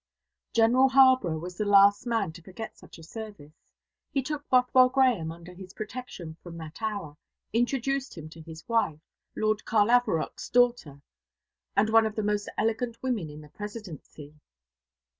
General Harborough was the last man to forget such a service. He took Bothwell Grahame under his protection from that hour, introduced him to his wife, Lord Carlavarock's daughter, and one of the most elegant women in the Presidency.